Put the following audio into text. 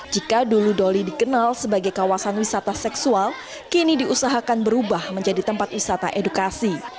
jika dulu doli dikenal sebagai kawasan wisata seksual kini diusahakan berubah menjadi tempat wisata edukasi